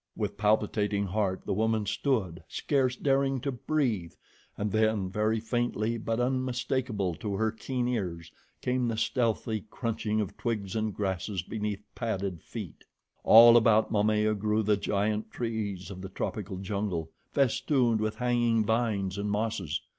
With palpitating heart the woman stood, scarce daring to breathe, and then, very faintly but unmistakable to her keen ears, came the stealthy crunching of twigs and grasses beneath padded feet. All about Momaya grew the giant trees of the tropical jungle, festooned with hanging vines and mosses.